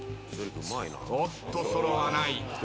おっと揃わない。